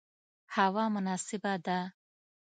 هوا مناسبه ده